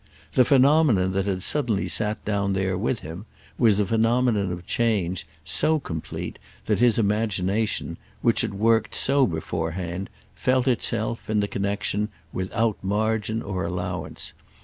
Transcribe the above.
The phenomenon that had suddenly sat down there with him was a phenomenon of change so complete that his imagination, which had worked so beforehand, felt itself, in the connexion, without margin or allowance.